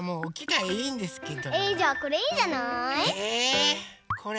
えじゃあこれいいんじゃない？えっ！これ？